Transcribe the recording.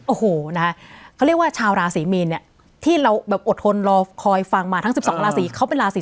โอ้โหนะคะเขาเรียกว่าชาวราศีมีนเนี่ยที่เราแบบอดทนรอคอยฟังมาทั้ง๑๒ราศีเขาเป็นราศี